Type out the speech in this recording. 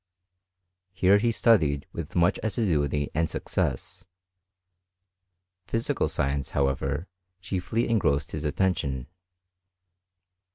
Here he studied with much assi duity and success : physical science, however, chiefly engrossed his attention.